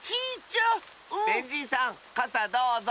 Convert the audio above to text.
ベンじいさんかさどうぞ。